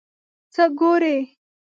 څه ګورې ؟